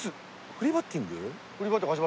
フリーバッティング始まった。